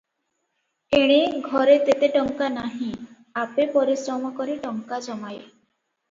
ଏଣେ ଘରେ ତେତେ ଟଙ୍କା ନାହିଁ, ଆପେ ପରିଶ୍ରମ କରି ଟଙ୍କା ଜମାଏ ।